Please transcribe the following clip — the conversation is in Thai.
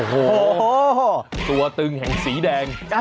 โอ้โหตัวตึงแห่งสีแดง